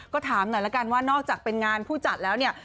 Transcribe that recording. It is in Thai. ก็ถามหน่อยละกันว่านอกจากเป็นงานผู้จัดแล้วเนี่ย